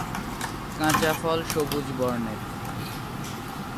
কাঁচা ফল সবুজ বর্ণের।